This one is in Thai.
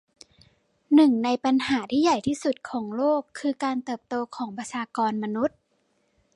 หนึ่งในปัญหาที่ใหญ่ที่สุดของโลกคือการเติบโตของประชากรมนุษย์